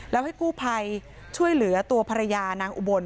แล้วให้กู้ภัยช่วยเหลือตัวภรรยานางอุบล